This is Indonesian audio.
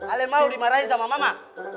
kalian mau dimarahin sama mama